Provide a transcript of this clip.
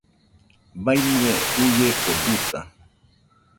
Baiñɨe uieko duta